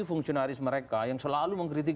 fungsionaris mereka yang selalu mengkritik